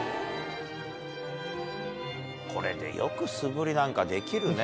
これでよく素振りなんかできるね。